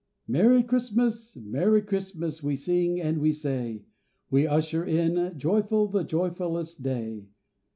_) MERRY CHRISTMAS! Merry Christmas! we sing and we say. We usher in joyful the joyfullest day.